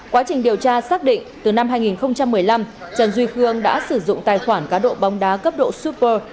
quá trình điều tra xác định từ năm hai nghìn một mươi năm trần duy khương đã sử dụng tài khoản cá độ bóng đá cấp độ super